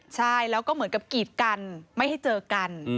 ใช่แล้วก็เหมือนกับกีดกันไม่ให้เจอกัน